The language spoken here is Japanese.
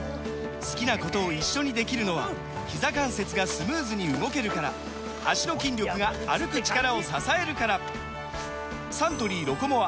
好きなことを一緒にできるのはひざ関節がスムーズに動けるから脚の筋力が歩く力を支えるからサントリー「ロコモア」！